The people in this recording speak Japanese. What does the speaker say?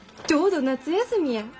ちょうど夏休みや。